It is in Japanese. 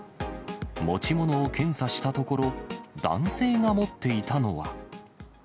持ち物を検査したところ、男性が持っていたのは。